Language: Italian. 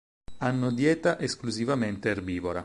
Hanno dieta esclusivamente erbivora.